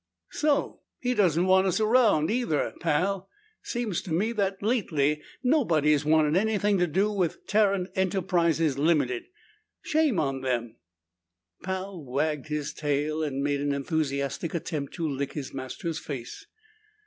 "So! He doesn't want us around either! Pal, seems to me that lately nobody has wanted anything to do with Tarrant Enterprises, Ltd.! Shame on them!" Pal wagged his tail and made an enthusiastic attempt to lick his master's face.